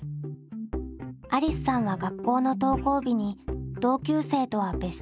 ありすさんは学校の登校日に同級生とは別室から参加します。